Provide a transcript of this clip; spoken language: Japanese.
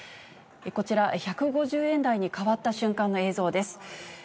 こちら、１５０円台に変わった瞬間の映像です。